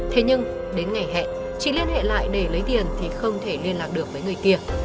thế nhưng đến ngày hẹn chị liên hệ lại để lấy tiền thì không thể liên lạc được với người kia